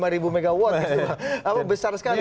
ribu megawatt itu besar sekali